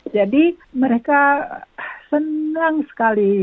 jadi mereka senang sekali